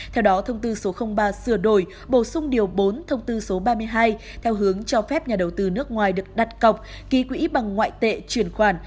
theo đó thông tư số ba sửa đổi bổ sung điều bốn thông tư số ba mươi hai theo hướng cho phép nhà đầu tư nước ngoài được đặt cọc ký quỹ bằng ngoại tệ chuyển khoản